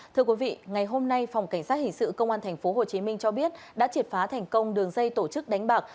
thưa quý vị ngày hôm nay phòng cảnh sát hình sự công an tp hcm cho biết đã triệt phá thành công đường dây tổ chức đánh bạc